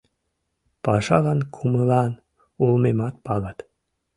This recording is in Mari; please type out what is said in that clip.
Пашалан кумылан улмемат палат.